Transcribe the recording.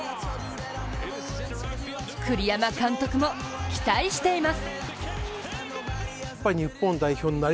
栗山監督も期待しています。